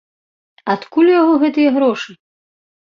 Адкуль у яго гэтыя грошы?